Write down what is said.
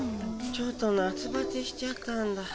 ちょっと夏バテしちゃったんだ。